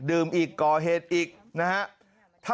ดื่มอีกกอเหตุอีกนะครับ